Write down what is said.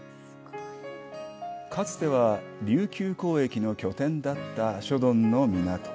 かつては琉球交易の拠点だった諸鈍の港。